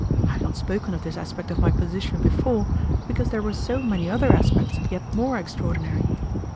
I have not spoken of this aspect of my position before because there were so many other aspects yet more extraordinary.